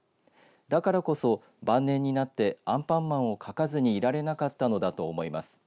だからこそ、晩年になってアンパンマンをかかずにいられなかったのだと思います。